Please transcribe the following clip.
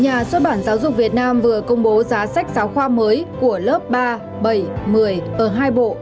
nhà xuất bản giáo dục việt nam vừa công bố giá sách giáo khoa mới của lớp ba bảy một mươi ở hai bộ